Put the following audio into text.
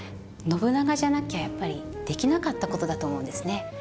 信長じゃなきゃやっぱりできなかった事だと思うんですね。